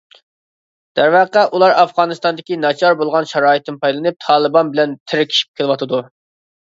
دەرۋەقە، ئۇلار ئافغانىستاندىكى ناچار بولغان شارائىتتىن پايدىلىنىپ تالىبان بىلەن تىركىشىپ كېلىۋاتىدۇ.